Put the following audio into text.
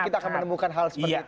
kita akan menemukan hal seperti itu